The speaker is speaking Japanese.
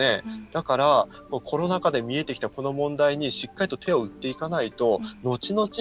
だからコロナ禍で見えてきたこの問題にしっかりと手を打っていかないとのちのち